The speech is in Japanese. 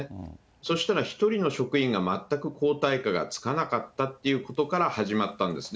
そしたら１人の職員が全く抗体価がつかなかったというところから始まったんですね。